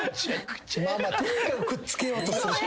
ママとにかくくっつけようとする。